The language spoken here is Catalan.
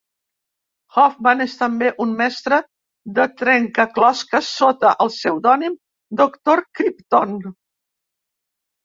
Hoffman és també un mestre de trencaclosques sota el pseudònim Doctor Crypton.